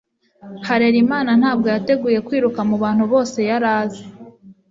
Harerimana ntabwo yateguye kwiruka mubantu bose yari azi.